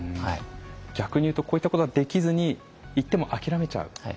逆に言うとこういったことができずに行っても諦めちゃう。